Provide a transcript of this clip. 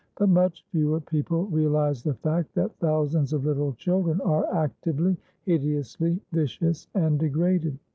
But much fewer people realize the fact that thousands of little children are actively, hideously vicious and degraded.